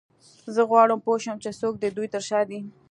زه غواړم پوه شم چې څوک د دوی تر شا دی